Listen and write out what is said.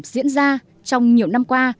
diễn ra trong nhiều năm qua